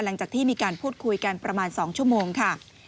หลังจากที่มีการพูดคุยกันประมาณ๒ชั่วโมงค่ะ